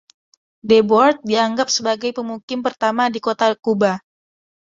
Deboard dianggap sebagai pemukim pertama di Kota Kuba.